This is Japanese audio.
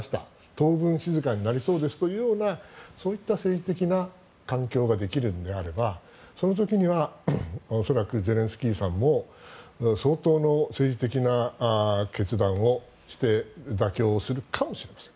当分、静かになりそうですというようなそういった政治的な環境ができるのであればその時には恐らくゼレンスキーさんも相当の政治的な決断をして妥協をするかもしれません。